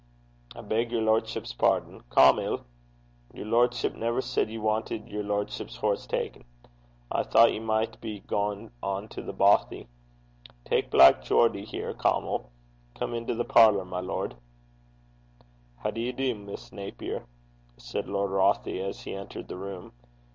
'I beg yer lordship's pardon. Caumill! Yer lordship never said ye wanted yer lordship's horse ta'en. I thocht ye micht be gaein' on to The Bothie. Tak' Black Geordie here, Caumill. Come in to the parlour, my lord.' 'How d'ye do, Miss Naper?' said Lord Rothie, as he entered the room.